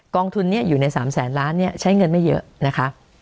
กองทุนนี่อยู่ใน๓๐๐๐ล้านเนี่ยใช้เงินไม่เยอะนะคะ